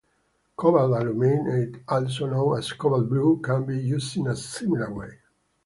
Cobalt aluminate, also known as "cobalt blue", can be used in a similar way.